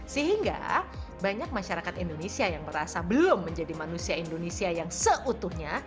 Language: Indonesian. sehingga banyak masyarakat indonesia yang merasa belum menjadi manusia indonesia yang seutuhnya